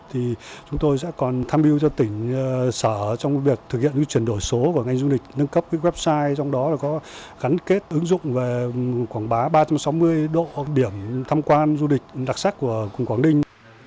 thì chúng tôi sẽ còn tham mưu cho tỉnh sở trong việc thực hiện chuyển đổi số và ngành du lịch nâng cấp website trong đó có gắn kết ứng dụng và quảng bá ba trăm sáu mươi độ điểm tham quan du lịch đặc sắc của quảng ninh